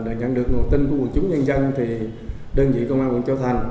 để nhận được nguồn tin của quân chúng nhân dân thì đơn vị công an huyện châu thành